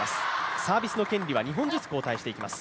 サービスの権利は２本ずつ交代していきます。